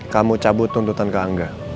kamu cabut tuntutan ke angga